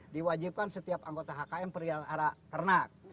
diwajibkan setiap anggota kkm perjalanan arah ternak